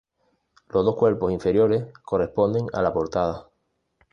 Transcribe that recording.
Los dos cuerpos inferiores corresponden a la portada.